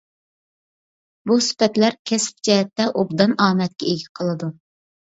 بۇ سۈپەتلەر كەسىپ جەھەتتە ئوبدان ئامەتكە ئىگە قىلىدۇ.